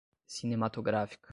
cinematográfica